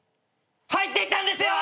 入っていったんですよ！